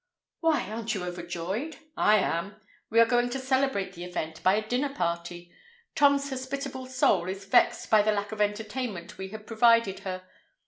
"Why, aren't you overjoyed? I am. We are going to celebrate the event by a dinner party. Tom's hospitable soul is vexed by the lack of entertainment we had provided her.